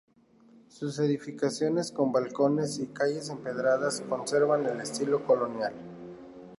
Sus edificaciones con balcones y calles empedradas conservan el estilo colonial.